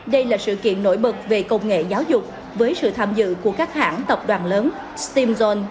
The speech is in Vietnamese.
đây là sự kiện nổi bật về công nghệ giáo dục với sự tham dự của các hãng tập đoàn lớn stemon